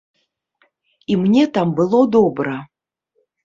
І мне там было добра.